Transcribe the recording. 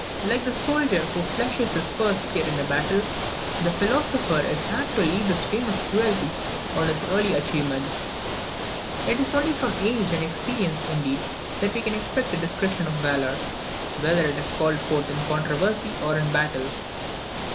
Like the soldier who fleshes his first spear in battle, the philosopher is apt to leave the stain of cruelty on his early achievements. It is only from age and experience, indeed, that we can expect the discretion of valour, whether it is called forth in controversy or in battle.